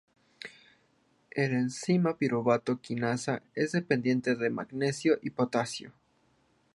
El enzima piruvato quinasa es dependiente de magnesio y potasio.